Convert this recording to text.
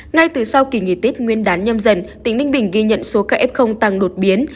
ngay từ sau kỳ nghỉ tết nguyên đán nhâm dần tỉnh ninh bình ghi nhận số ca f tăng đột biến